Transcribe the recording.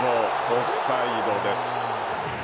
オフサイドです。